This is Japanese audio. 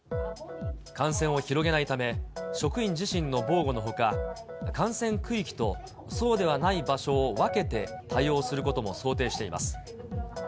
感染を広げないため、職員自身の防護のほか、感染区域と、そうではない場所を分けて対応することも想定しています。